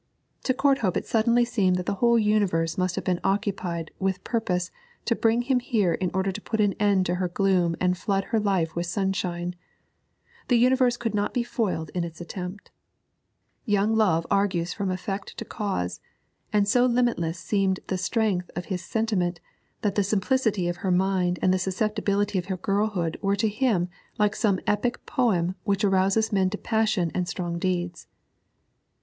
To Courthope it suddenly seemed that the whole universe must have been occupied with purpose to bring him here in order to put an end to her gloom and flood her life with sunshine; the universe could not be foiled in its attempt. Young love argues from effect to cause, and so limitless seemed the strength of his sentiment that the simplicity of her mind and the susceptibility of her girlhood were to him like some epic poem which arouses men to passion and strong deeds.